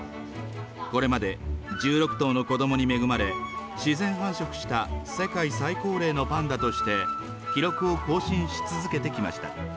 これまで１６頭の子どもに恵まれ、自然繁殖した世界最高齢のパンダとして、記録を更新し続けてきました。